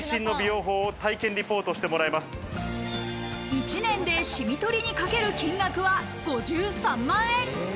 １年でシミ取りにかける金額は５３万円。